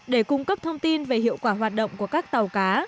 để cung cấp thông tin về hiệu quả hoạt động của các tàu cá